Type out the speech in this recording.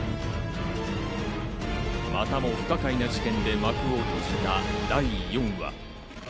またも不可解な事件で幕を閉じた第４話。